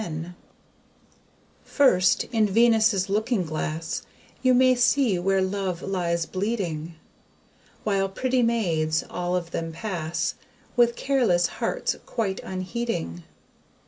FIRST in VENUS'S LOOKING GLASS, You may see where LOVE LIES BLEEDING, While PRETTY MAIDS all of them pass With careless hearts quite unheeding.